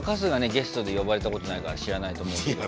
ゲストで呼ばれたことないから知らないと思うけど。